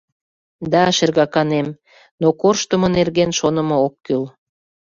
— Да, шергаканем, но корштымо нерген шонымо ок кӱл.